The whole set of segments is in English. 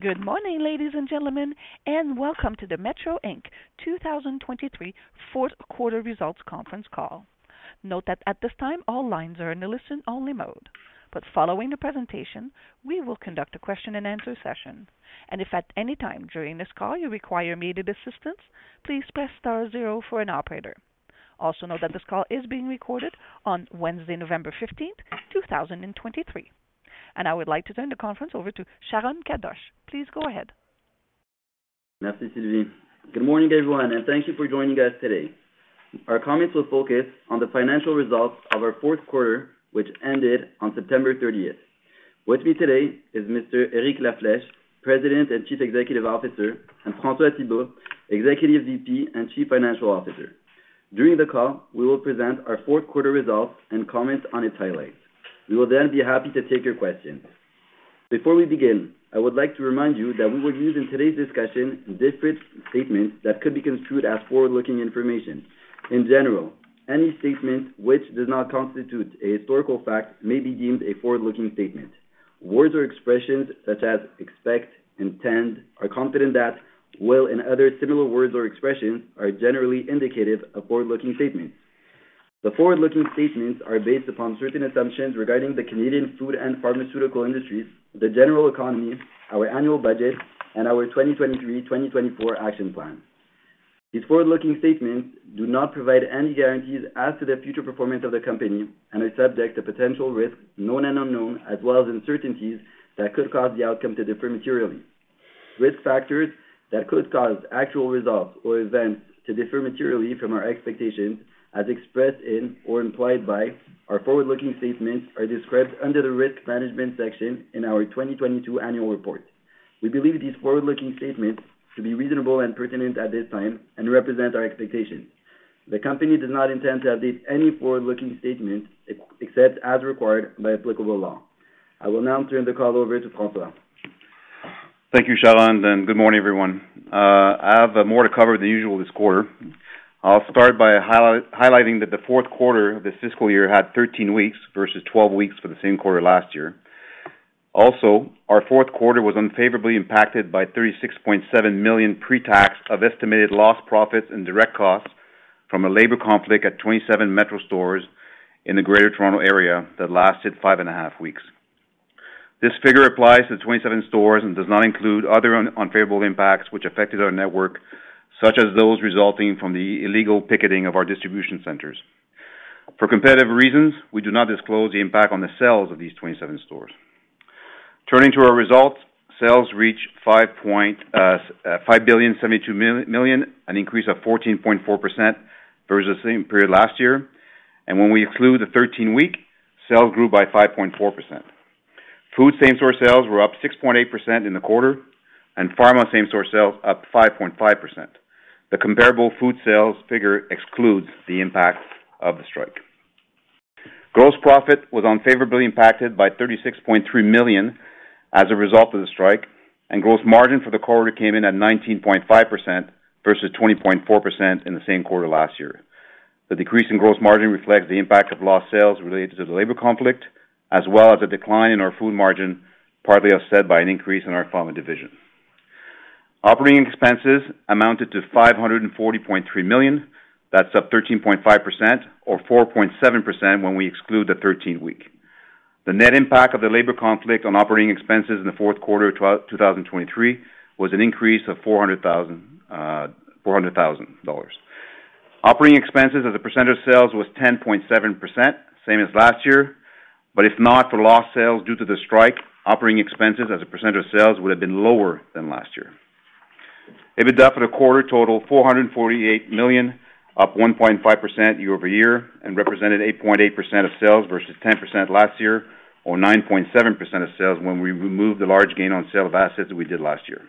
Good morning, ladies and gentlemen, and welcome to the Metro Inc 2023 fourth quarter results conference call. Note that at this time, all lines are in a listen-only mode, but following the presentation, we will conduct a question and answer session. If at any time during this call you require immediate assistance, please press star zero for an operator. Also, note that this call is being recorded on Wednesday, November 15th, 2023. I would like to turn the conference over to Sharon Kadoche. Please go ahead. Merci, Sylvie. Good morning, everyone, and thank you for joining us today. Our comments will focus on the financial results of our fourth quarter, which ended on September 13th. With me today is Mr. Eric La Flèche, President and Chief Executive Officer, and François Thibault, Executive VP and Chief Financial Officer. During the call, we will present our fourth quarter results and comment on its highlights. We will then be happy to take your questions. Before we begin, I would like to remind you that we will use in today's discussion different statements that could be construed as forward-looking information. In general, any statement which does not constitute a historical fact may be deemed a forward-looking statement. Words or expressions such as expect, intend, are confident that, will, and other similar words or expressions are generally indicative of forward-looking statements. The forward-looking statements are based upon certain assumptions regarding the Canadian food and pharmaceutical industries, the general economy, our annual budget, and our 2023/2024 action plan. These forward-looking statements do not provide any guarantees as to the future performance of the company and are subject to potential risks, known and unknown, as well as uncertainties that could cause the outcome to differ materially. Risk factors that could cause actual results or events to differ materially from our expectations, as expressed in or implied by our forward-looking statements, are described under the Risk Management section in our 2022 annual report. We believe these forward-looking statements to be reasonable and pertinent at this time and represent our expectations. The company does not intend to update any forward-looking statements, except as required by applicable law. I will now turn the call over to François. Thank you, Sharon, and good morning, everyone. I have more to cover than usual this quarter. I'll start by highlighting that the fourth quarter of this fiscal year had 13 weeks versus 12 weeks for the same quarter last year. Also, our fourth quarter was unfavorably impacted by 36.7 million pre-tax of estimated lost profits and direct costs from a labor conflict at 27 Metro stores in the Greater Toronto Area that lasted 5.5 weeks. This figure applies to the 27 stores and does not include other unfavorable impacts which affected our network, such as those resulting from the illegal picketing of our distribution centers. For competitive reasons, we do not disclose the impact on the sales of these 27 stores. Turning to our results, sales reached 5.072 billion, an increase of 14.4% versus the same period last year. When we exclude the 13-week, sales grew by 5.4%. Food same-store sales were up 6.8% in the quarter and pharma same-store sales up 5.5%. The comparable food sales figure excludes the impact of the strike. Gross profit was unfavorably impacted by 36.3 million as a result of the strike, and gross margin for the quarter came in at 19.5% versus 20.4% in the same quarter last year. The decrease in gross margin reflects the impact of lost sales related to the labor conflict, as well as a decline in our food margin, partly offset by an increase in our pharma division. Operating expenses amounted to 540.3 million. That's up 13.5% or 4.7% when we exclude the thirteenth week. The net impact of the labor conflict on operating expenses in the fourth quarter of 2023 was an increase of 400,000 dollars. Operating expenses as a percent of sales was 10.7%, same as last year, but if not for lost sales due to the strike, operating expenses as a percent of sales would have been lower than last year. EBITDA for the quarter totaled 448 million, up 1.5% year-over-year, and represented 8.8% of sales versus 10% last year, or 9.7% of sales when we removed the large gain on sale of assets that we did last year.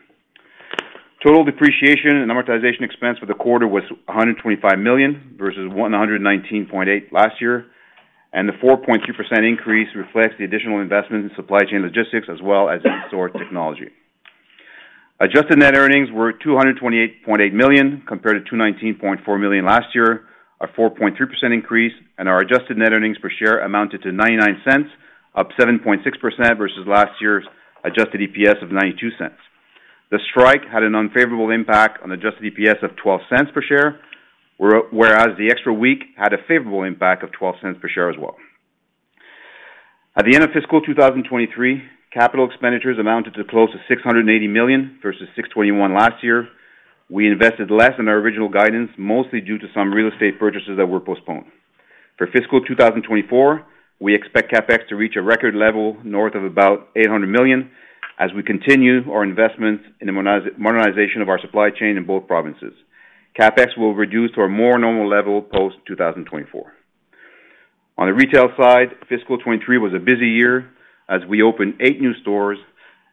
Total depreciation and amortization expense for the quarter was 125 million versus 119.8 million last year, and the 4.2% increase reflects the additional investment in supply chain logistics as well as store technology. Adjusted net earnings were 228.8 million, compared to 219.4 million last year, a 4.3% increase, and our adjusted net earnings per share amounted to 0.99, up 7.6% versus last year's adjusted EPS of 0.92. The strike had an unfavorable impact on adjusted EPS of 0.12 per share, whereas the extra week had a favorable impact of 0.12 per share as well. At the end of fiscal 2023, capital expenditures amounted to close to 680 million versus 621 million last year. We invested less in our original guidance, mostly due to some real estate purchases that were postponed. For fiscal 2024, we expect CapEx to reach a record level north of about 800 million as we continue our investments in the modernization of our supply chain in both provinces. CapEx will reduce to a more normal level post 2024. On the retail side, fiscal 2023 was a busy year as we opened 8 new stores.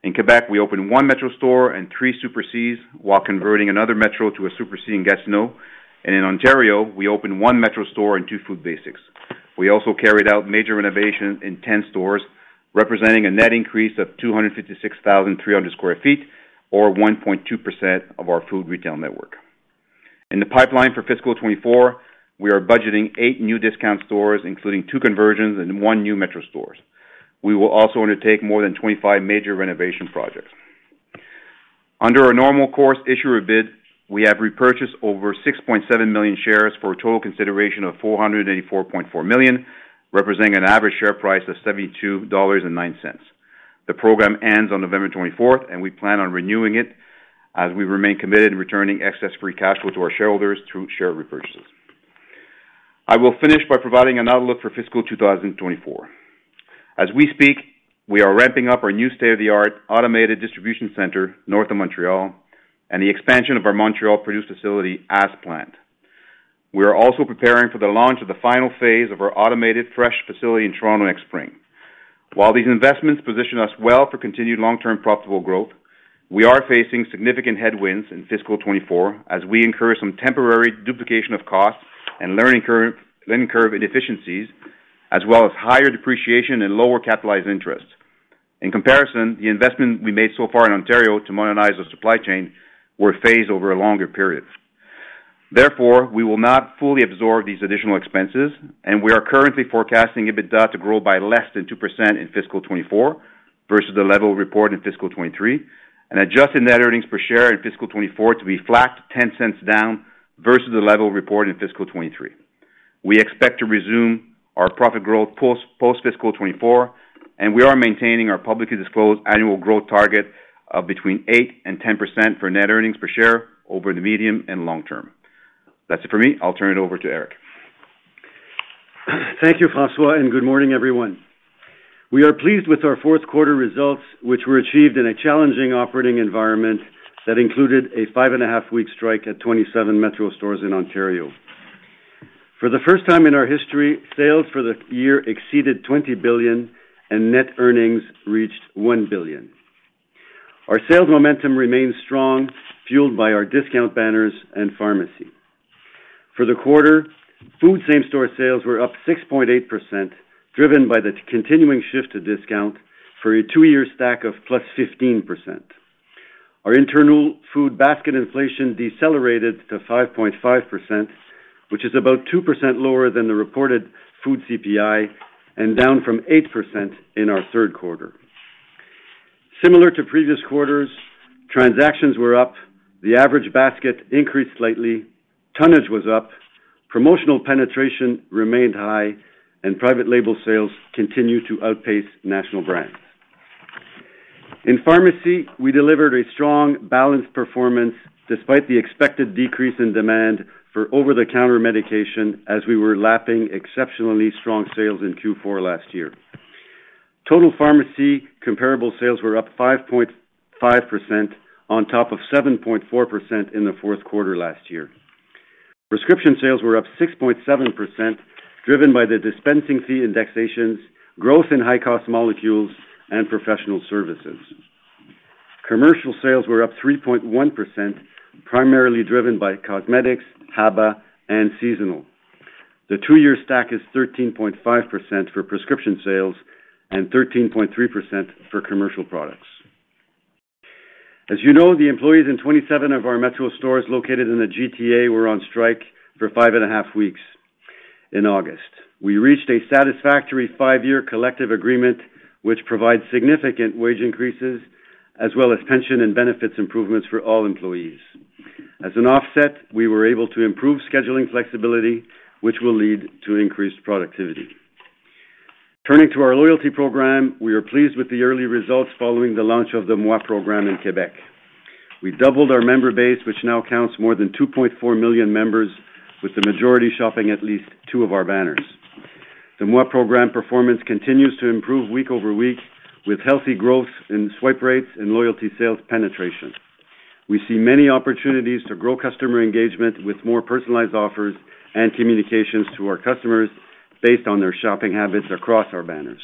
In Quebec, we opened one Metro store and three Super Cs, while converting another Metro to a Super C in Gatineau. In Ontario, we opened one Metro store and two Food Basics. We also carried out major renovations in 10 stores, representing a net increase of 256,300 sq ft, or 1.2% of our food retail network. In the pipeline for fiscal 2024, we are budgeting eight new discount stores, including two conversions and one new Metro store. We will also undertake more than 25 major renovation projects. Under our Normal Course Issuer Bid, we have repurchased over 6.7 million shares for a total consideration of 484.4 million, representing an average share price of 72.09 dollars. The program ends on November 24th, and we plan on renewing it, as we remain committed to returning excess free cash flow to our shareholders through share repurchases. I will finish by providing an outlook for fiscal 2024. As we speak, we are ramping up our new state-of-the-art automated distribution center, north of Montreal, and the expansion of our Montreal produce facility as planned. We are also preparing for the launch of the final phase of our automated fresh facility in Toronto next spring. While these investments position us well for continued long-term profitable growth, we are facing significant headwinds in fiscal 2024 as we incur some temporary duplication of costs and learning curve inefficiencies, as well as higher depreciation and lower capitalized interest. In comparison, the investment we made so far in Ontario to modernize our supply chain were phased over a longer period. Therefore, we will not fully absorb these additional expenses, and we are currently forecasting EBITDA to grow by less than 2% in fiscal 2024 versus the level reported in fiscal 2023, and adjusted net earnings per share in fiscal 2024 to be flat, 0.10 down versus the level reported in fiscal 2023. We expect to resume our profit growth post-fiscal 2024, and we are maintaining our publicly disclosed annual growth target of between 8% and 10% for net earnings per share over the medium and long term. That's it for me. I'll turn it over to Eric. Thank you, François, and good morning, everyone. We are pleased with our fourth quarter results, which were achieved in a challenging operating environment that included a 5.5-week strike at 27 Metro stores in Ontario. For the first time in our history, sales for the year exceeded 20 billion, and net earnings reached 1 billion. Our sales momentum remains strong, fueled by our discount banners and pharmacy. For the quarter, food same-store sales were up 6.8%, driven by the continuing shift to discount for a two-year stack of +15%. Our internal food basket inflation decelerated to 5.5%, which is about 2% lower than the reported food CPI and down from 8% in our third quarter. Similar to previous quarters, transactions were up, the average basket increased slightly, tonnage was up, promotional penetration remained high, and private label sales continued to outpace national brands. In pharmacy, we delivered a strong, balanced performance despite the expected decrease in demand for over-the-counter medication, as we were lapping exceptionally strong sales in Q4 last year. Total pharmacy comparable sales were up 5.5% on top of 7.4% in the fourth quarter last year. Prescription sales were up 6.7%, driven by the dispensing fee indexations, growth in high-cost molecules, and professional services. Commercial sales were up 3.1%, primarily driven by cosmetics, HABA, and seasonal. The two-year stack is 13.5% for prescription sales and 13.3% for commercial products. As you know, the employees in 27 of our Metro stores located in the GTA were on strike for five and a half weeks in August. We reached a satisfactory five-year collective agreement, which provides significant wage increases, as well as pension and benefits improvements for all employees. As an offset, we were able to improve scheduling flexibility, which will lead to increased productivity. Turning to our loyalty program, we are pleased with the early results following the launch of the Moi program in Quebec. We doubled our member base, which now counts more than 2.4 million members, with the majority shopping at least two of our banners. The Moi program performance continues to improve week over week, with healthy growth in swipe rates and loyalty sales penetration. We see many opportunities to grow customer engagement with more personalized offers and communications to our customers based on their shopping habits across our banners.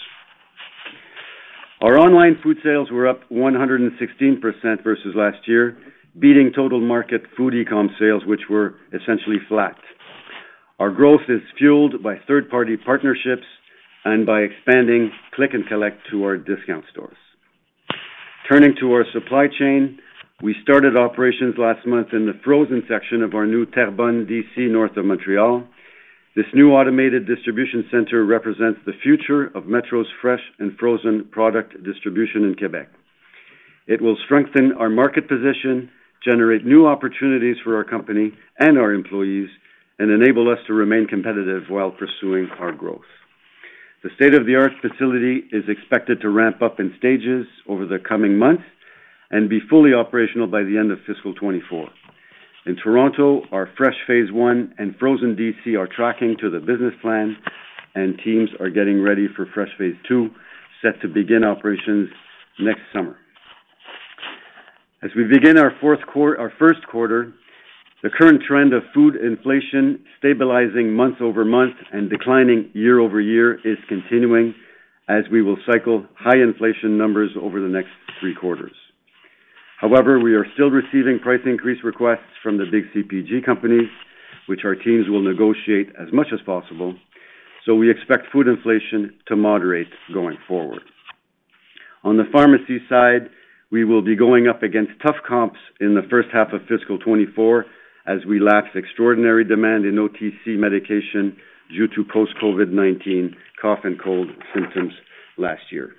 Our online food sales were up 116% versus last year, beating total market food e-com sales, which were essentially flat. Our growth is fueled by third-party partnerships and by expanding click and collect to our discount stores. Turning to our supply chain, we started operations last month in the frozen section of our new Terrebonne DC, north of Montreal. This new automated distribution center represents the future of Metro's fresh and frozen product distribution in Quebec. It will strengthen our market position, generate new opportunities for our company and our employees, and enable us to remain competitive while pursuing our growth. The state-of-the-art facility is expected to ramp up in stages over the coming months and be fully operational by the end of fiscal 2024. In Toronto, our fresh phase one and frozen DC are tracking to the business plan, and teams are getting ready for fresh phase two, set to begin operations next summer. As we begin our first quarter, the current trend of food inflation, stabilizing month-over-month and declining year-over-year, is continuing as we will cycle high inflation numbers over the next three quarters. However, we are still receiving price increase requests from the big CPG companies, which our teams will negotiate as much as possible, so we expect food inflation to moderate going forward. On the pharmacy side, we will be going up against tough comps in the first half of fiscal 2024, as we lapse extraordinary demand in OTC medication due to post-COVID-19 cough and cold symptoms last year.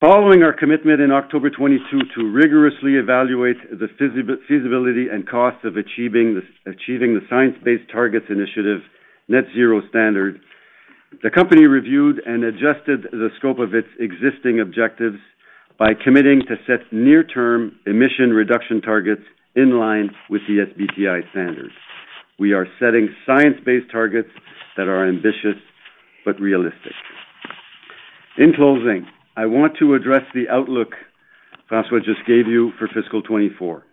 Following our commitment in October 2022 to rigorously evaluate the feasibility and cost of achieving the Science Based Targets initiative Net-Zero Standard, the company reviewed and adjusted the scope of its existing objectives by committing to set near-term emission reduction targets in line with the SBTi standards. We are setting science-based targets that are ambitious but realistic. In closing, I want to address the outlook François just gave you for fiscal 2024.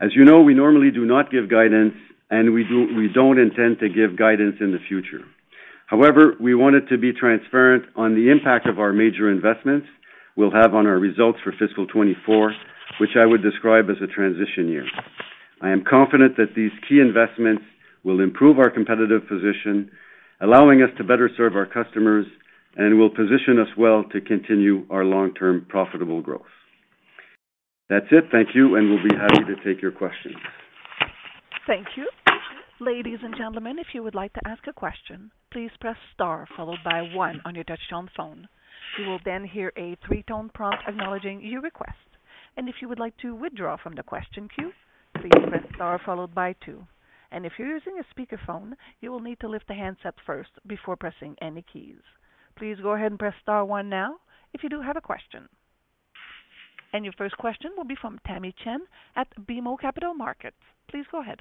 As you know, we normally do not give guidance, and we don't intend to give guidance in the future. However, we wanted to be transparent on the impact of our major investments we'll have on our results for fiscal 2024, which I would describe as a transition year. I am confident that these key investments will improve our competitive position, allowing us to better serve our customers, and will position us well to continue our long-term profitable growth. That's it. Thank you, and we'll be happy to take your questions. Thank you. Ladies and gentlemen, if you would like to ask a question, please press star followed by one on your touchtone phone. You will then hear a three-tone prompt acknowledging your request. And if you would like to withdraw from the question queue, please press star followed by two. And if you're using a speakerphone, you will need to lift the handset first before pressing any keys. Please go ahead and press star one now if you do have a question. And your first question will be from Tamy Chen at BMO Capital Markets. Please go ahead.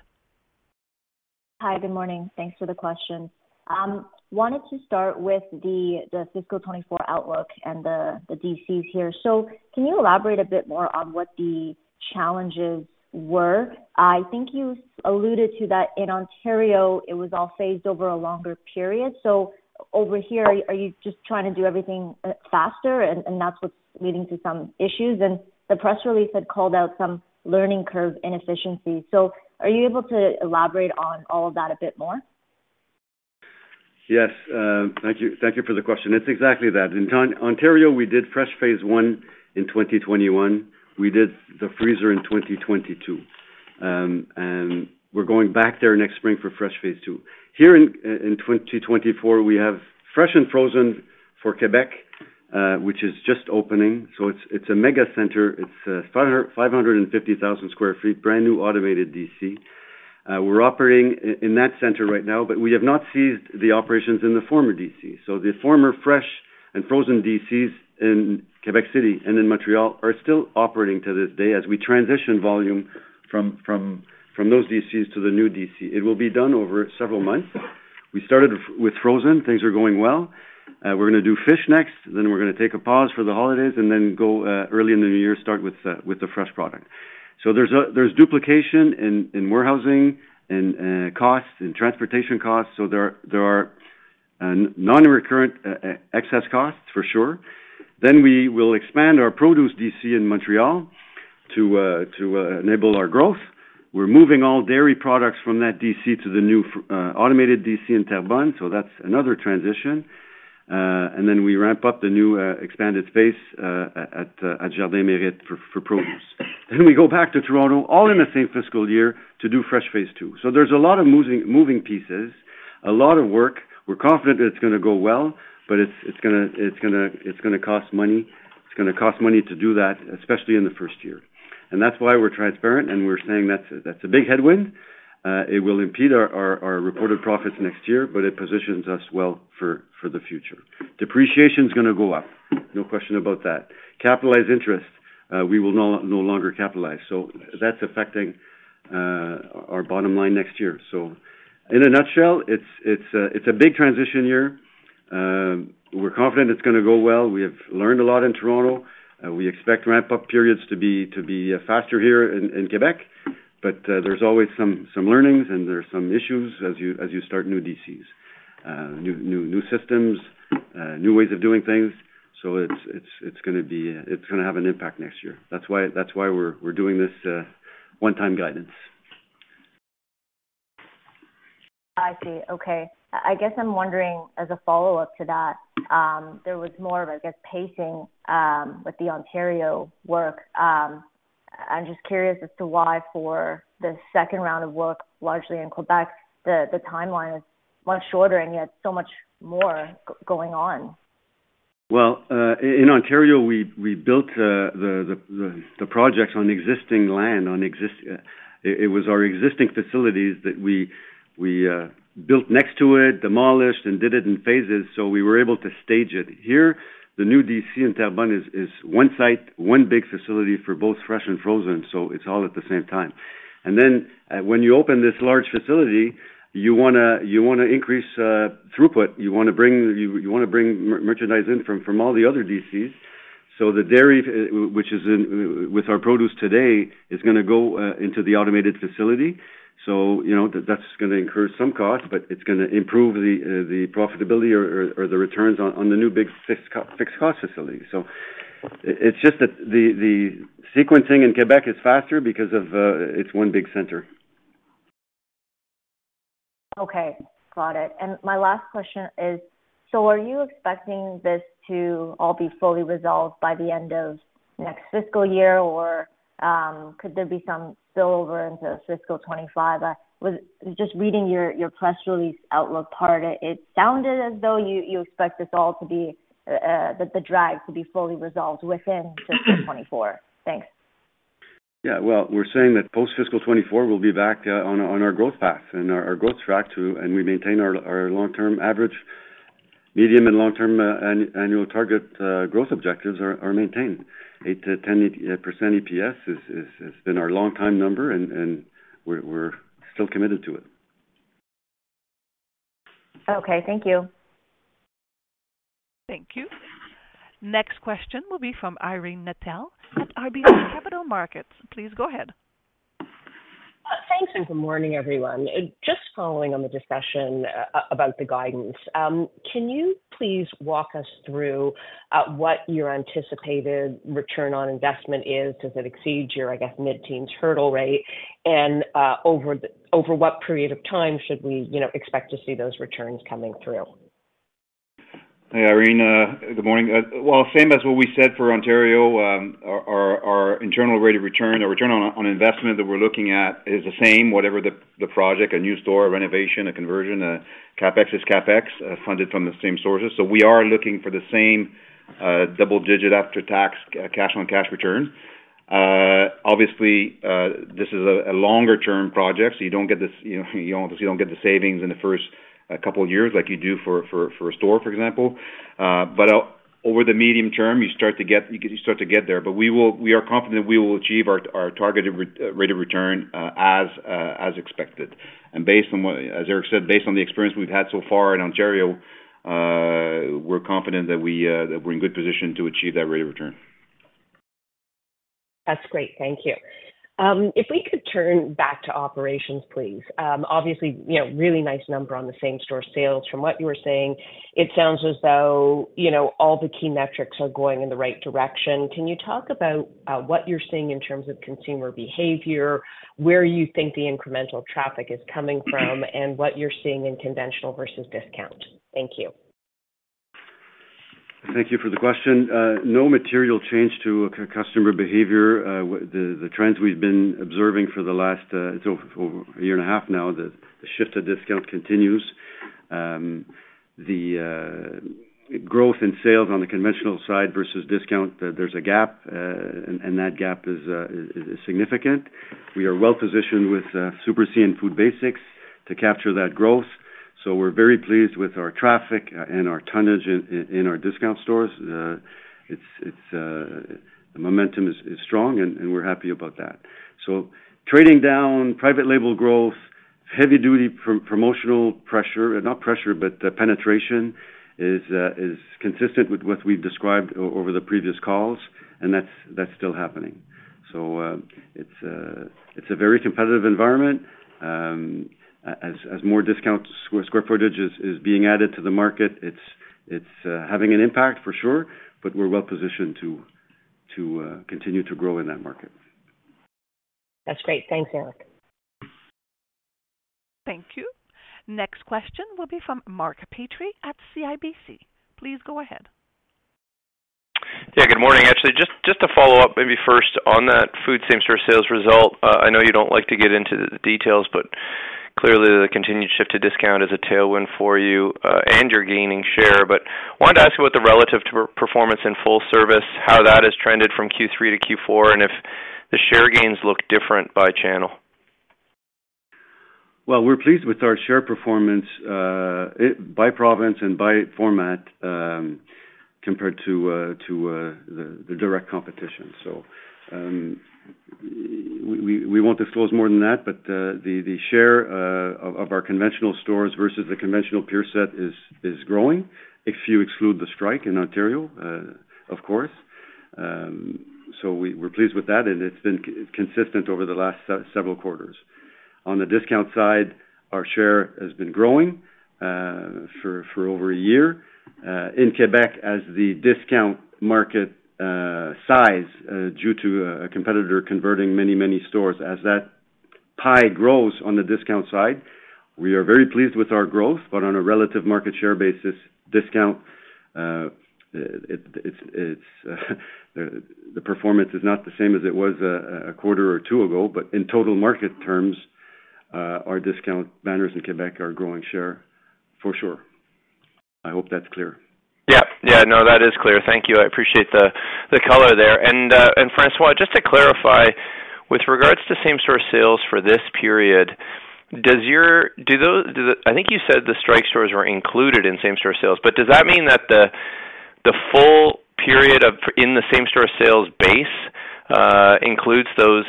Hi, good morning. Thanks for the question. Wanted to start with the fiscal 2024 outlook and the DCs here. So can you elaborate a bit more on what the challenges were? I think you alluded to that in Ontario, it was all phased over a longer period. So over here, are you just trying to do everything faster, and that's what's leading to some issues? And the press release had called out some learning curve inefficiencies. So are you able to elaborate on all of that a bit more? Yes, thank you, thank you for the question. It's exactly that. In Ontario, we did fresh phase one in 2021. We did the freezer in 2022. And we're going back there next spring for fresh phase two. Here in 2024, we have fresh and frozen for Quebec, which is just opening. So it's a mega center. It's five hundred and fifty thousand sq ft, brand new, automated DC. We're operating in that center right now, but we have not ceased the operations in the former DC. So the former fresh and frozen DCs in Quebec City and in Montreal are still operating to this day as we transition volume from those DCs to the new DC. It will be done over several months. We started with frozen. Things are going well. We're gonna do fish next, then we're gonna take a pause for the holidays and then go early in the new year, start with the, with the fresh product. So there's duplication in warehousing, in costs, in transportation costs, so there are non-recurrent excess costs, for sure. Then we will expand our produce DC in Montreal to enable our growth. We're moving all dairy products from that DC to the new automated DC in Terrebonne, so that's another transition. And then we ramp up the new expanded space at Jardin Mérite for produce. Then we go back to Toronto, all in the same fiscal year, to do fresh phase two. So there's a lot of moving pieces, a lot of work. We're confident that it's gonna go well, but it's gonna cost money. It's gonna cost money to do that, especially in the first year. That's why we're transparent, and we're saying that's a big headwind. It will impede our reported profits next year, but it positions us well for the future. Depreciation is gonna go up, no question about that. Capitalized interest, we will no longer capitalize, so that's affecting our bottom line next year. In a nutshell, it's a big transition year. We're confident it's gonna go well. We have learned a lot in Toronto, and we expect ramp-up periods to be faster here in Quebec. But, there's always some learnings and there are some issues as you start new DCs, new systems, new ways of doing things. So it's gonna be, it's gonna have an impact next year. That's why we're doing this one-time guidance. I see. Okay. I guess I'm wondering, as a follow-up to that, there was more of, I guess, pacing, with the Ontario work. I'm just curious as to why for the second round of work, largely in Quebec, the, the timeline is much shorter and yet so much more going on? Well, in Ontario, we built the projects on existing land, on existing facilities that we built next to it, demolished, and did it in phases, so we were able to stage it. Here, the new DC in Terrebonne is one site, one big facility for both fresh and frozen, so it's all at the same time. And then, when you open this large facility, you wanna increase throughput. You wanna bring merchandise in from all the other DCs. So the dairy, which is with our produce today, is gonna go into the automated facility. So you know, that's gonna incur some costs, but it's gonna improve the profitability or the returns on the new big fixed cost facility. So it's just that the sequencing in Quebec is faster because it's one big center. Okay, got it. And my last question is: so are you expecting this to all be fully resolved by the end of next fiscal year, or, could there be some spillover into fiscal 2025? Just reading your, your press release outlook part, it, it sounded as though you, you expect this all to be, that the drag to be fully resolved within fiscal 2024. Thanks. Yeah, well, we're saying that post-fiscal 2024 will be back on our growth path and our growth track to. We maintain our long-term average, medium- and long-term annual target growth objectives are maintained. 8%-10% EPS has been our long-time number, and we're still committed to it. Okay, thank you. Thank you. Next question will be from Irene Nattel with RBC Capital Markets. Please go ahead. Thanks, and good morning, everyone. Just following on the discussion, about the guidance, can you please walk us through what your anticipated return on investment is? Does it exceed your, I guess, mid-teen hurdle rate? And, over what period of time should we, you know, expect to see those returns coming through? Hey, Irene, good morning. Well, same as what we said for Ontario. Our internal rate of return, our return on investment that we're looking at is the same, whatever the project: a new store, a renovation, a conversion. CapEx is CapEx, funded from the same sources. So we are looking for the same, double digit after-tax, cash on cash return. Obviously, this is a longer term project, so you don't get this, you know, you obviously don't get the savings in the first, couple years like you do for a store, for example. But over the medium term, you start to get, you start to get there. But we are confident we will achieve our targeted rate of return, as expected. Based on what Eric said, based on the experience we've had so far in Ontario, we're confident that we're in good position to achieve that rate of return. That's great. Thank you. If we could turn back to operations, please. Obviously, you know, really nice number on the same store sales. From what you were saying, it sounds as though, you know, all the key metrics are going in the right direction. Can you talk about what you're seeing in terms of consumer behavior, where you think the incremental traffic is coming from, and what you're seeing in conventional versus discount? Thank you. Thank you for the question. No material change to customer behavior. The trends we've been observing for the last, so for a year and a half now, the shift to discount continues. The growth in sales on the conventional side versus discount, there's a gap, and that gap is significant. We are well positioned with Super C and Food Basics to capture that growth, so we're very pleased with our traffic and our tonnage in our discount stores. It's the momentum is strong and we're happy about that. So trading down, private label growth, heavy duty promotional pressure, not pressure, but penetration is consistent with what we've described over the previous calls, and that's still happening. It's a very competitive environment. As more discount square footage is being added to the market, it's having an impact for sure, but we're well positioned to continue to grow in that market. That's great. Thanks, Eric. Thank you. Next question will be from Mark Petrie at CIBC. Please go ahead. Yeah, good morning. Actually, just to follow up, maybe first on that food same-store sales result. I know you don't like to get into the details, but clearly the continued shift to discount is a tailwind for you, and you're gaining share. But wanted to ask you what the relative performance in full service, how that has trended from Q3 to Q4, and if the share gains look different by channel? Well, we're pleased with our share performance by province and by format compared to the direct competition. So, we won't disclose more than that, but the share of our conventional stores versus the conventional peer set is growing, if you exclude the strike in Ontario, of course. So, we're pleased with that, and it's been consistent over the last several quarters. On the discount side, our share has been growing for over a year. In Quebec, as the discount market size due to a competitor converting many, many stores, as that pie grows on the discount side, we are very pleased with our growth, but on a relative market share basis, discount, the performance is not the same as it was a quarter or two ago. But in total market terms, our discount banners in Quebec are growing share for sure. I hope that's clear. Yeah. Yeah, no, that is clear. Thank you. I appreciate the color there. François, just to clarify, with regards to same-store sales for this period, I think you said the strike stores were included in same-store sales, but does that mean that the full period in the same-store sales base includes those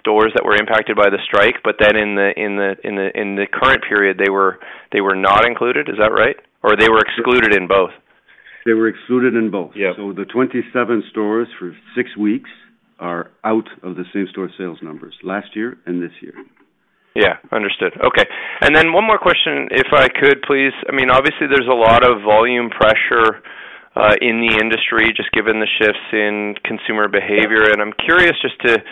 stores that were impacted by the strike, but then in the current period, they were not included? Is that right? Or they were excluded in both? They were excluded in both. Yeah. The 27 stores for six weeks are out of the same-store sales numbers, last year and this year. Yeah, understood. Okay. Then one more question, if I could please. I mean, obviously there's a lot of volume pressure-in the industry, just given the shifts in consumer behavior. I'm curious just to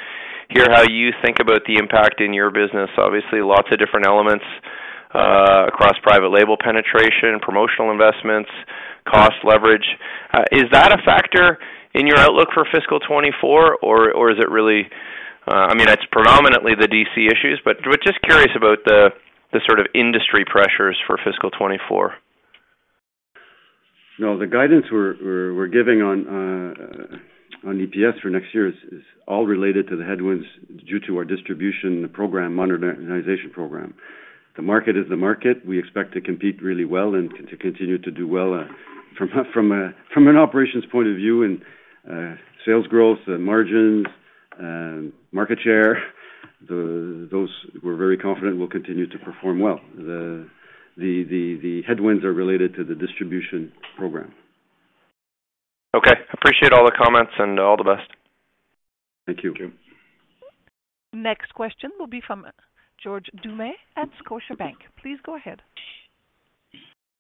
hear how you think about the impact in your business. Obviously, lots of different elements across private label penetration, promotional investments, cost leverage. Is that a factor in your outlook for fiscal 2024, or is it really, I mean, that's predominantly the DC issues, but we're just curious about the sort of industry pressures for fiscal 2024. No, the guidance we're giving on EPS for next year is all related to the headwinds due to our distribution program, modernization program. The market is the market. We expect to compete really well and to continue to do well, from an operations point of view and sales growth and margins and market share, those we're very confident will continue to perform well. The headwinds are related to the distribution program. Okay. Appreciate all the comments and all the best. Thank you. Thank you. Next question will be from George Doumet at Scotiabank. Please go ahead.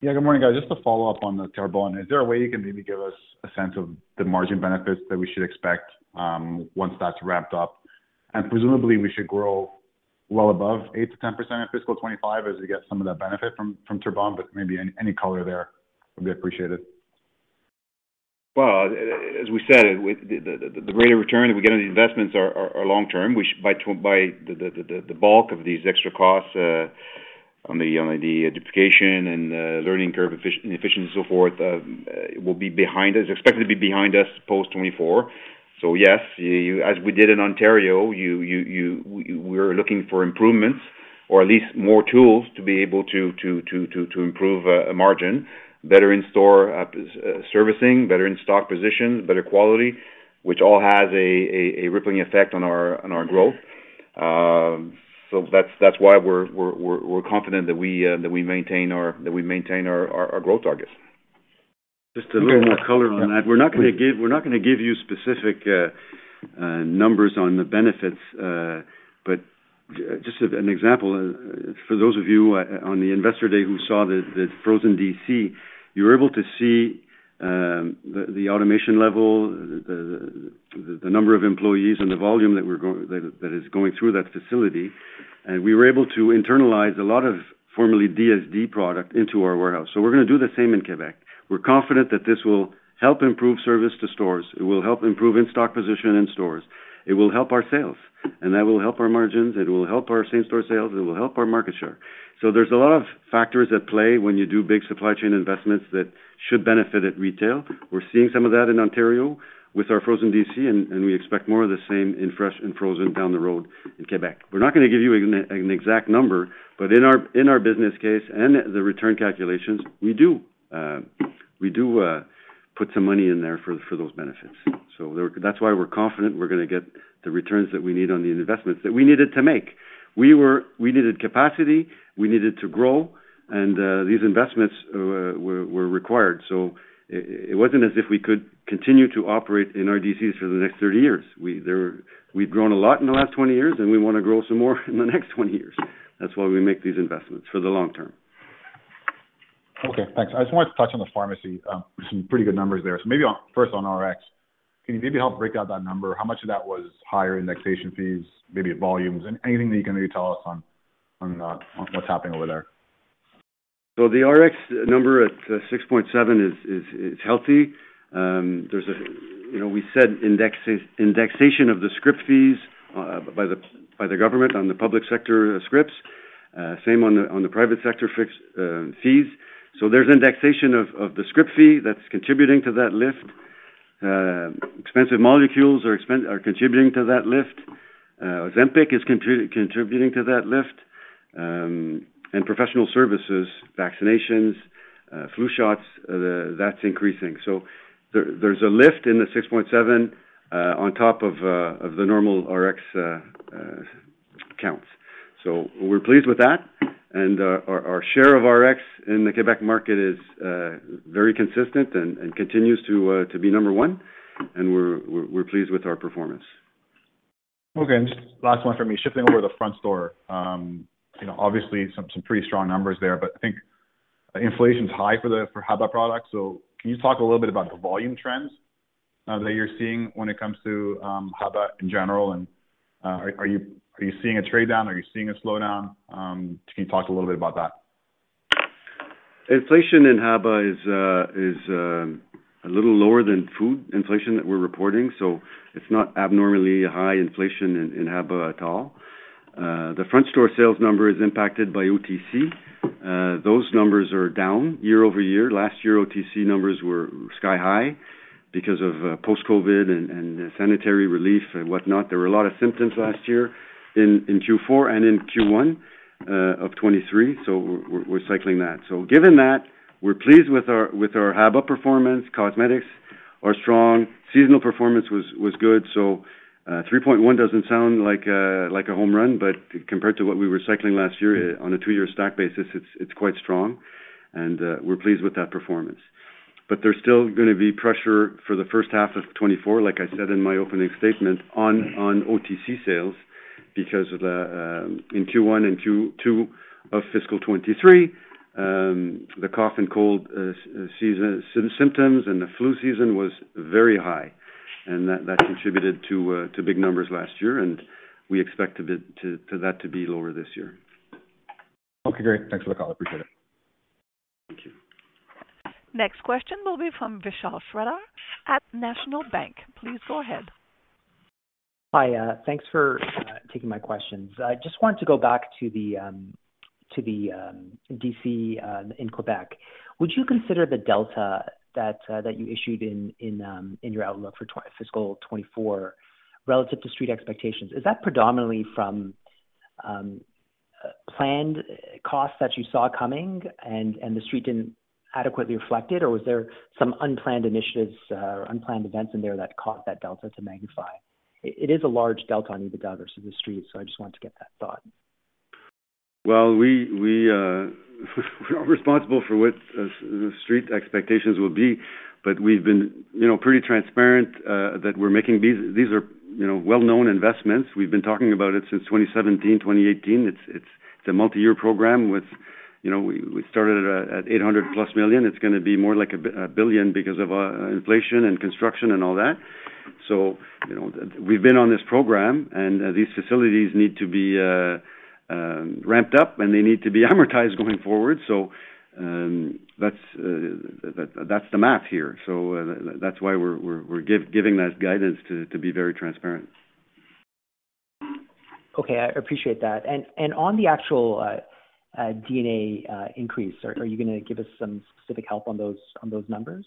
Yeah, good morning, guys. Just to follow up on the Terrebonne, is there a way you can maybe give us a sense of the margin benefits that we should expect once that's wrapped up? And presumably, we should grow well above 8%-10% in fiscal 2025 as we get some of that benefit from, from Terrebonne, but maybe any, any color there would be appreciated. Well, as we said, with the greater return that we get on the investments are long term, which by the bulk of these extra costs on the duplication and learning curve efficiency, so forth, will be behind us, expected to be behind us, post-2024. So yes, as we did in Ontario, we're looking for improvements or at least more tools to be able to improve margin, better in-store servicing, better in-stock positions, better quality, which all has a rippling effect on our growth. So that's why we're confident that we maintain our growth targets. Just a little more color on that. We're not gonna give, we're not gonna give you specific numbers on the benefits, but just an example, for those of you on the investor day who saw the frozen DC, you're able to see the automation level, the number of employees and the volume that we're going that is going through that facility. And we were able to internalize a lot of formerly DSD product into our warehouse. So we're gonna do the same in Quebec. We're confident that this will help improve service to stores. It will help improve in-stock position in stores. It will help our sales, and that will help our margins, it will help our same store sales, it will help our market share. So there's a lot of factors at play when you do big supply chain investments that should benefit at retail. We're seeing some of that in Ontario with our frozen DC, and we expect more of the same in fresh and frozen down the road in Quebec. We're not gonna give you an exact number, but in our business case and the return calculations, we do put some money in there for those benefits. So that's why we're confident we're gonna get the returns that we need on the investments that we needed to make. We needed capacity, we needed to grow, and these investments were required. So it wasn't as if we could continue to operate in our DCs for the next 30 years. We've grown a lot in the last 20 years, and we wanna grow some more in the next 20 years. That's why we make these investments, for the long term. Okay, thanks. I just wanted to touch on the pharmacy. Some pretty good numbers there. So maybe on... First on Rx, can you maybe help break out that number? How much of that was higher indexation fees, maybe volumes, and anything that you can maybe tell us on what's happening over there? So the Rx number at 6.7 is healthy. There's a, you know, we said indexation of the script fees by the government on the public sector scripts. Same on the private sector fixed fees. So there's indexation of the script fee that's contributing to that lift. Expensive molecules are contributing to that lift. Ozempic is contributing to that lift. And professional services, vaccinations, flu shots, that's increasing. So there's a lift in the 6.7 on top of the normal Rx counts. So we're pleased with that, and our share of Rx in the Quebec market is very consistent and continues to be number one, and we're pleased with our performance. Okay, and just last one for me. Shifting over to the front store, you know, obviously some pretty strong numbers there, but I think inflation's high for the HABA products. So can you talk a little bit about the volume trends that you're seeing when it comes to HABA in general? And, are you seeing a trade down? Are you seeing a slowdown? Can you talk a little bit about that? Inflation in HABA is a little lower than food inflation that we're reporting, so it's not abnormally high inflation in HABA at all. The front store sales number is impacted by OTC. Those numbers are down year-over-year. Last year, OTC numbers were sky high because of post COVID and sanitary relief and whatnot. There were a lot of symptoms last year in Q4 and in Q1 of 2023, so we're cycling that. So given that, we're pleased with our HABA performance. Cosmetics are strong. Seasonal performance was good, so 3.1 doesn't sound like a home run, but compared to what we were cycling last year, on a two-year stack basis, it's quite strong, and we're pleased with that performance. But there's still gonna be pressure for the first half of 2024, like I said in my opening statement, on OTC sales because in Q1 and Q2 of fiscal 2023, the cough and cold symptoms and the flu season was very high, and that contributed to big numbers last year, and we expect a bit of that to be lower this year. Okay, great. Thanks for the call. Appreciate it. Thank you. Next question will be from Vishal Shreedhar at National Bank. Please go ahead. Hi, thanks for taking my questions. I just wanted to go back to the, to the, DC, in Quebec. Would you consider the delta that, that you issued in, in, in your outlook for fiscal 2024 relative to street expectations? Is that predominantly from, planned costs that you saw coming and, and the street didn't adequately reflect it, or was there some unplanned initiatives, or unplanned events in there that caused that delta to magnify? It, it is a large delta on EBITDA versus the street, so I just wanted to get that thought. Well, we're not responsible for what the street expectations will be, but we've been, you know, pretty transparent that we're making these. These are, you know, well-known investments. We've been talking about it since 2017, 2018. It's a multi-year program with, you know, we started at 800+ million. It's gonna be more like 1 billion because of inflation and construction and all that. So, you know, we've been on this program, and these facilities need to be ramped up, and they need to be amortized going forward. So, that's the math here. So, that's why we're giving that guidance to be very transparent. Okay, I appreciate that. And on the actual D&A increase, are you gonna give us some specific help on those numbers?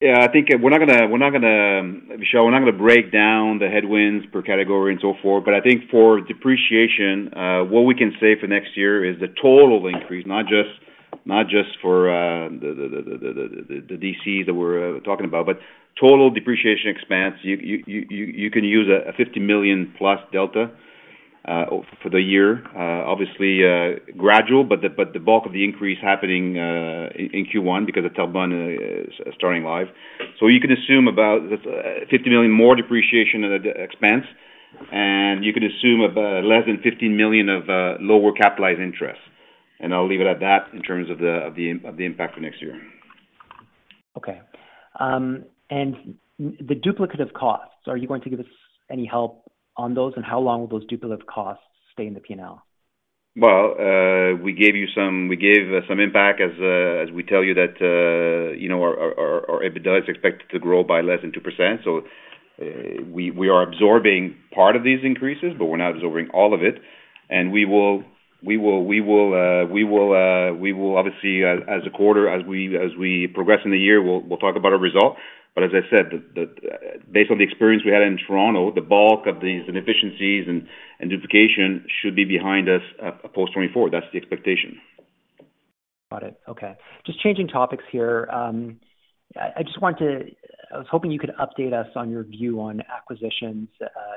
Yeah, I think we're not gonna, Vishal, break down the headwinds per category and so forth. But I think for depreciation, what we can say for next year is the total increase, not just for the DC that we're talking about, but total depreciation expense. You can use a 50 million+ delta for the year. Obviously, gradual, but the bulk of the increase happening in Q1 because the Terrebonne is starting live. So you can assume about 50 million more depreciation and expense, and you can assume about less than 15 million of lower capitalized interest. And I'll leave it at that in terms of the impact for next year. Okay. The duplicative costs, are you going to give us any help on those, and how long will those duplicative costs stay in the P&L? Well, we gave you some impact as we tell you that, you know, our EBITDA is expected to grow by less than 2%. So, we are absorbing part of these increases, but we're not absorbing all of it, and we will obviously, as we progress in the year, we'll talk about our result. But as I said, based on the experience we had in Toronto, the bulk of these inefficiencies and duplication should be behind us, post 2024. That's the expectation. Got it. Okay. Just changing topics here, I just want to... I was hoping you could update us on your view on acquisitions,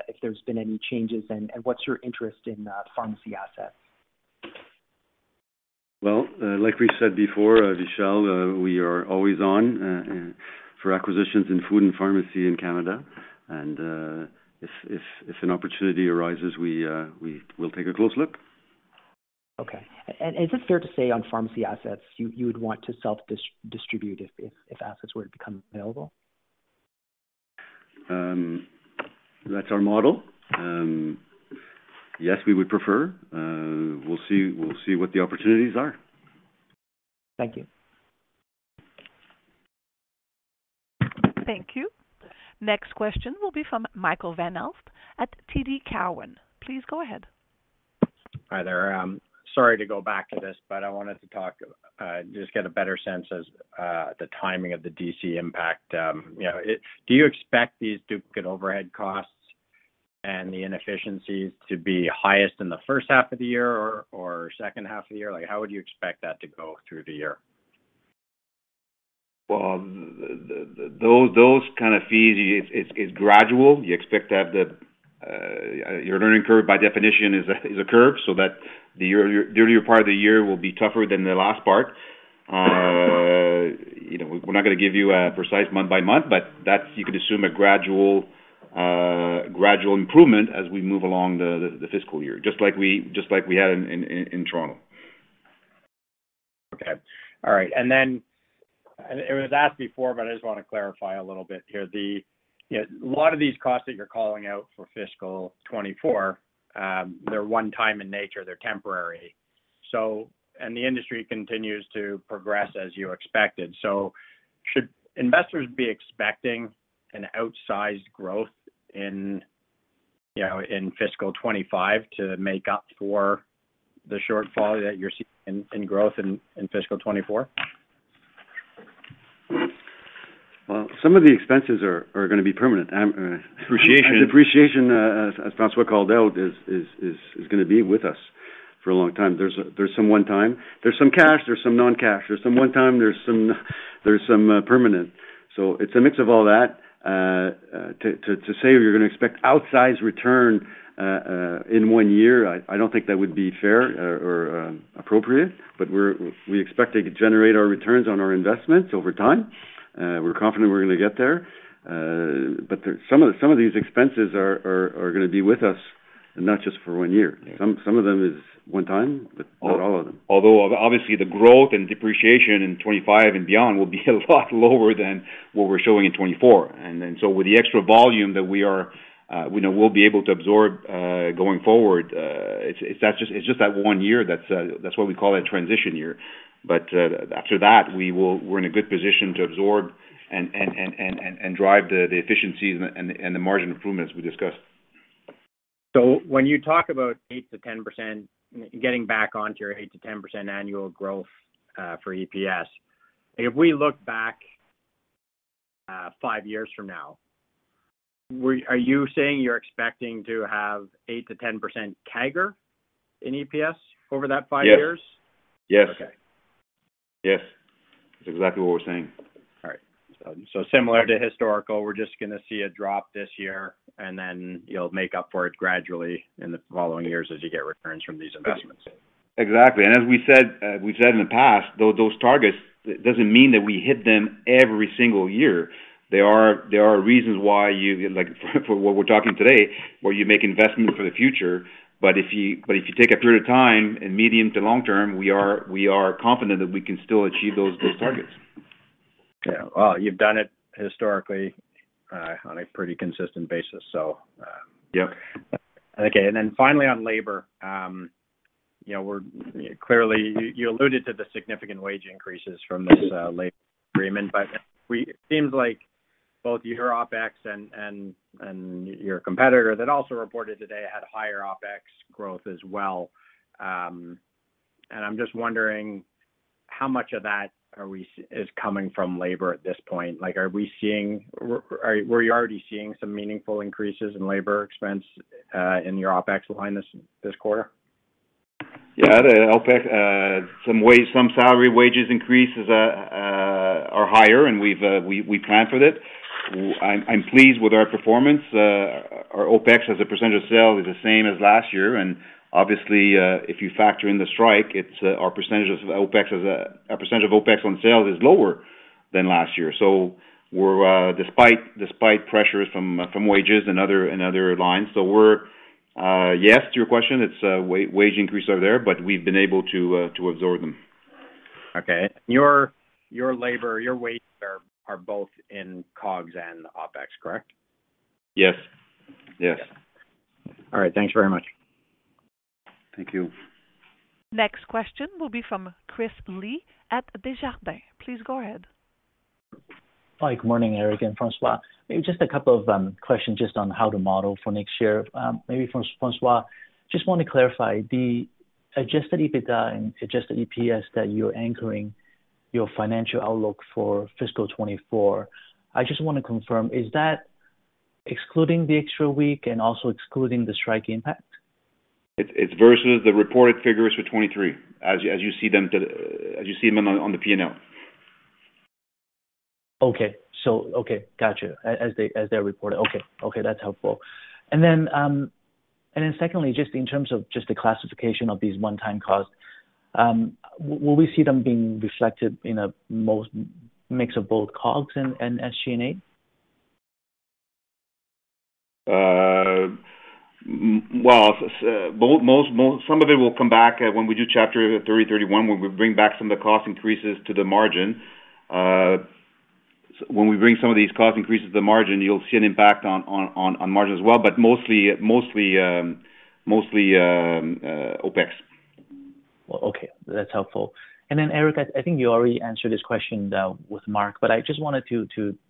if there's been any changes, and what's your interest in pharmacy assets? Well, like we said before, Vishal, we are always on for acquisitions in food and pharmacy in Canada. If an opportunity arises, we will take a close look. Okay. And is it fair to say on pharmacy assets, you would want to self-distribute if assets were to become available? That's our model. Yes, we would prefer, we'll see. We'll see what the opportunities are. Thank you. Thank you. Next question will be from Michael Van Aelst at TD Cowen. Please go ahead. Hi there. Sorry to go back to this, but I wanted to talk, just get a better sense as the timing of the DC impact. You know, do you expect these duplicate overhead costs and the inefficiencies to be highest in the first half of the year or second half of the year? Like, how would you expect that to go through the year? Well, those kind of fees, it's gradual. You expect to have your learning curve, by definition, is a curve, so that the earlier part of the year will be tougher than the last part. You know, we're not gonna give you a precise month-by-month, but that's. You could assume a gradual improvement as we move along the fiscal year, just like we had in Toronto. Okay. All right. And then, and it was asked before, but I just want to clarify a little bit here. The, you know, a lot of these costs that you're calling out for fiscal 2024, they're one time in nature, they're temporary. So, and the industry continues to progress as you expected. So should investors be expecting an outsized growth in, you know, in fiscal 2025 to make up for the shortfall that you're seeing in, in growth in, in fiscal 2024? Well, some of the expenses are gonna be permanent. Appreciation. Appreciation, as François called out, is gonna be with us for a long time. There's some one time. There's some cash, there's some non-cash. There's some one time, there's some permanent. So it's a mix of all that. To say you're gonna expect outsized return in one year, I don't think that would be fair or appropriate, but we expect to generate our returns on our investments over time. We're confident we're gonna get there. But some of these expenses are gonna be with us and not just for one year. Some of them is one time, but not all of them. Although obviously the growth and depreciation in 2025 and beyond will be a lot lower than what we're showing in 2024. With the extra volume that we are, we know we'll be able to absorb going forward, it's just that one year. That's why we call it a transition year. But after that, we're in a good position to absorb and drive the efficiencies and the margin improvements we discussed. So when you talk about 8%-10%, getting back onto your 8%-10% annual growth for EPS, if we look back five years from now, are you saying you're expecting to have 8%-10% CAGR in EPS over that five years? Yes. Yes. Okay. Yes, that's exactly what we're saying. All right. So similar to historical, we're just gonna see a drop this year, and then you'll make up for it gradually in the following years as you get returns from these investments. Exactly. And as we said, we've said in the past, those targets doesn't mean that we hit them every single year. There are reasons why you, like, for what we're talking today, where you make investments for the future. But if you take a period of time, in medium to long term, we are confident that we can still achieve those targets. Yeah. Well, you've done it historically, on a pretty consistent basis, so, Yep. Okay, and then finally on labor, you know, we're clearly, you alluded to the significant wage increases from this labor agreement, but it seems like both your OpEx and your competitor that also reported today had higher OpEx growth as well. And I'm just wondering, how much of that is coming from labor at this point? Like, are we seeing? Were you already seeing some meaningful increases in labor expense in your OpEx line this quarter? Yeah, the OpEx, some wage, some salary wages increases are higher, and we've planned for it. I'm pleased with our performance. Our OpEx, as a percent of sales, is the same as last year, and obviously, if you factor in the strike, it's our percentage of OpEx on sales is lower than last year. So we're despite pressures from wages and other lines. So, yes, to your question, it's wage increases are there, but we've been able to absorb them. Okay. Your labor, your weights are both in COGS and OpEx, correct? Yes. Yes. All right. Thanks very much. Thank you. Next question will be from Chris Li at Desjardins. Please go ahead. Hi, good morning, Eric and François. Maybe just a couple of questions just on how to model for next year. Maybe François, just want to clarify, the adjusted EBITDA and adjusted EPS that you're anchoring your financial outlook for fiscal 2024. I just want to confirm, is that excluding the extra week and also excluding the strike impact? It's versus the reported figures for 2023, as you see them on the P&L. Okay. So, okay, got you. As they, as they're reported. Okay. Okay, that's helpful. And then, and then secondly, just in terms of just the classification of these one-time costs, will we see them being reflected in a most mix of both COGS and, and SG&A? Well, some of it will come back when we do September 30th, when we bring back some of the cost increases to the margin. When we bring some of these cost increases to the margin, you'll see an impact on margin as well, but mostly OpEx. Well, okay, that's helpful. And then, Eric, I think you already answered this question with Mark, but I just wanted to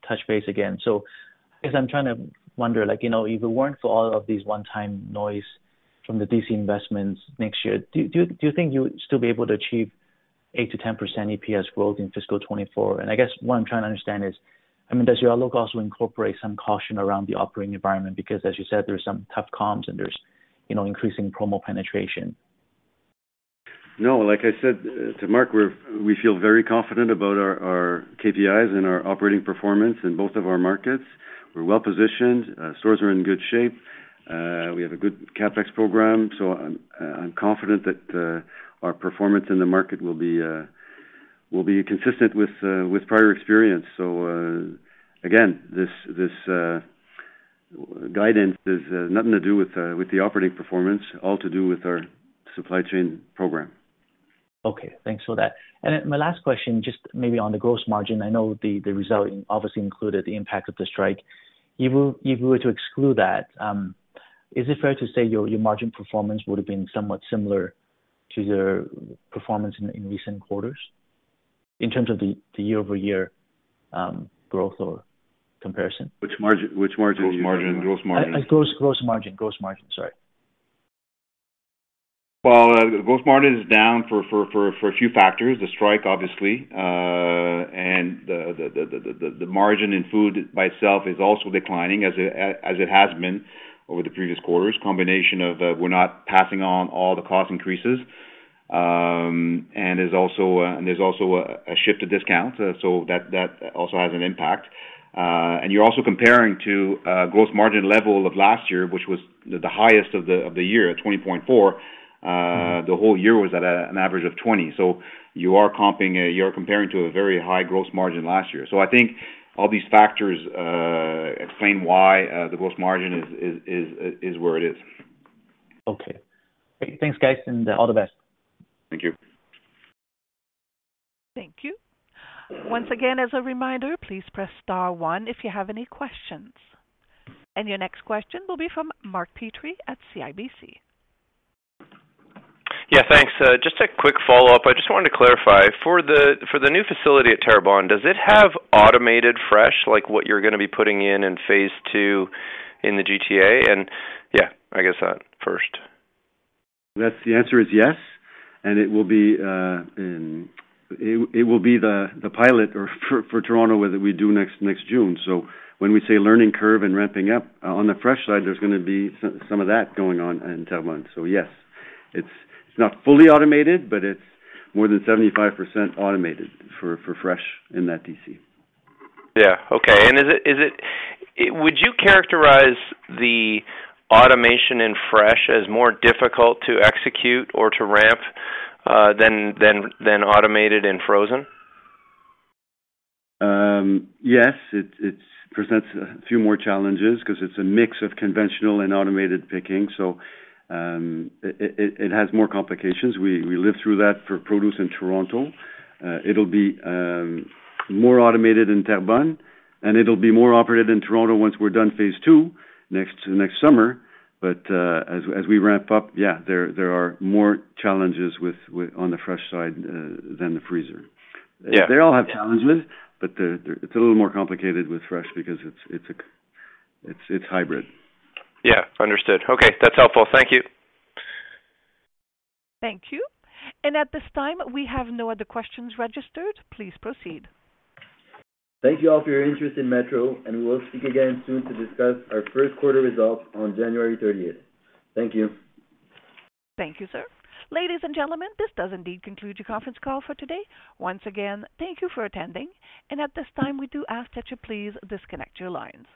touch base again. So I guess I'm trying to wonder, like, you know, if it weren't for all of these one-time noise from the DC investments next year, do you think you would still be able to achieve 8%-10% EPS growth in fiscal 2024? And I guess what I'm trying to understand is, I mean, does your outlook also incorporate some caution around the operating environment? Because as you said, there are some tough comps and there's, you know, increasing promo penetration. No, like I said to Mark, we feel very confident about our KPIs and our operating performance in both of our markets. We're well positioned, stores are in good shape. We have a good CapEx program, so I'm confident that our performance in the market will be consistent with prior experience. So, again, this guidance has nothing to do with the operating performance, all to do with our supply chain program. Okay, thanks for that. And then my last question, just maybe on the gross margin. I know the result obviously included the impact of the strike. If you were to exclude that, is it fair to say your margin performance would have been somewhat similar to your performance in recent quarters, in terms of the year-over-year growth or comparison? Which margin? Which margin? Gross margin, gross margin. Gross margin. Gross margin, sorry. Well, gross margin is down for a few factors. The strike, obviously, and the margin in food by itself is also declining as it has been over the previous quarters. Combination of, we're not passing on all the cost increases, and there's also a shift to discount, so that also has an impact. And you're also comparing to gross margin level of last year, which was the highest of the year, at 20.4%. The whole year was at an average of 20%. So you're comparing to a very high gross margin last year. So I think all these factors explain why the gross margin is where it is. Okay. Thanks, guys, and all the best. Thank you. Thank you. Once again, as a reminder, please press star one if you have any questions. Your next question will be from Mark Petrie at CIBC. Yeah, thanks. Just a quick follow-up. I just wanted to clarify, for the new facility at Terrebonne, does it have automated fresh, like what you're gonna be putting in in phase two in the GTA? And, yeah, I guess that first. That's the answer is yes. It will be the pilot for Toronto, whether we do next June. So when we say learning curve and ramping up on the fresh side, there's gonna be some of that going on in Terrebonne. So yes, it's not fully automated, but it's more than 75% automated for fresh in that DC. Yeah. Okay. And would you characterize the automation in fresh as more difficult to execute or to ramp than automated and frozen? Yes, it presents a few more challenges 'cause it's a mix of conventional and automated picking, so it has more complications. We lived through that for produce in Toronto. It'll be more automated in Terrebonne, and it'll be more operated in Toronto once we're done phase two, next summer. But as we ramp up, yeah, there are more challenges with on the fresh side than the freezer. Yeah. They all have challenges, but it's a little more complicated with fresh because it's hybrid. Yeah. Understood. Okay, that's helpful. Thank you. Thank you. At this time, we have no other questions registered. Please proceed. Thank you all for your interest in Metro, and we will speak again soon to discuss our first quarter results on January 30th. Thank you. Thank you, sir. Ladies and gentlemen, this does indeed conclude your conference call for today. Once again, thank you for attending, and at this time, we do ask that you please disconnect your lines.